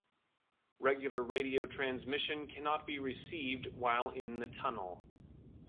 Regular radio transmission cannot be received while in the tunnel.